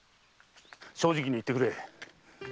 正直に言ってくれ。